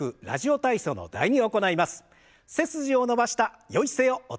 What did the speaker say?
「ラジオ体操第２」。